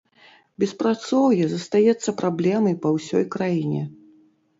Беспрацоўе застаецца праблемай па ўсёй краіне.